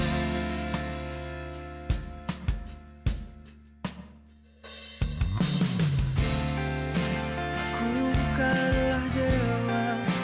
aku bukanlah dewa